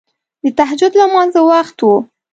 د تهجد لمانځه وخت وو.